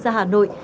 ra hà nội